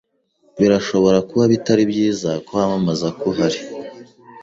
Birashobora kuba bitaribyiza ko wamamaza ko uhari.